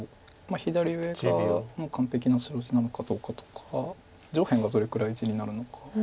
左上がもう完璧な白地なのかどうかとか上辺がどれぐらい地になるのか。